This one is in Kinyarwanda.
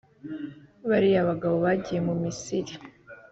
bariya bagabo bagiye mu Misiri